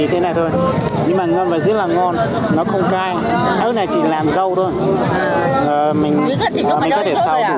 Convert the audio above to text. cái này thì trước anh chỉ mua theo bát